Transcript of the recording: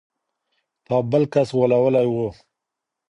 تا بل کس غولولی و.